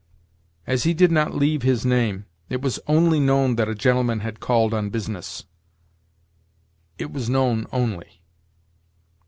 'As he did not leave his name, it was only known that a gentleman had called on business': it was known only.